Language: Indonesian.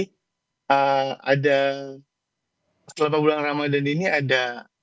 jadi ada selama bulan ramadan ini ada